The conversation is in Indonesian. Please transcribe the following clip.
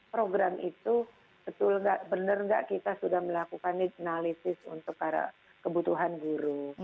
program itu betul nggak bener nggak kita sudah melakukan analisis untuk para kebutuhan guru